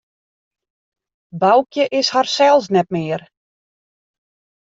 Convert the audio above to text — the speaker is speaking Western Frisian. Boukje is harsels net mear.